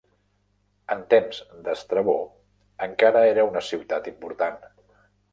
En temps d'Estrabó encara era una ciutat important.